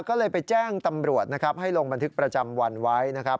ก็เลยไปแจ้งตำรวจนะครับให้ลงบันทึกประจำวันไว้นะครับ